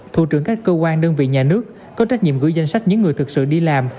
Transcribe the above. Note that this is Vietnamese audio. thủ trưởng các cơ quan đơn vị nhà nước có trách nhiệm gửi danh sách những người thực sự đi làm